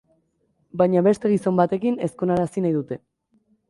Baina beste gizon batekin ezkonarazi nahi dute.